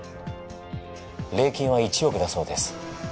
礼金は１億だそうです。